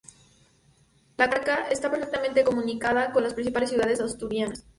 La comarca está perfectamente comunicada con las principales ciudades asturianas.